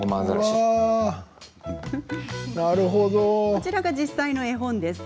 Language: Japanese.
こちらが、実際の絵本です。